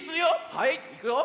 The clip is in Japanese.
はいいくよ。